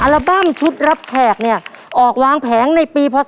ทาราบังชุดรับแขกเนี่ยออกวางแผงในปีภศ๒๕๔๖ค่ะ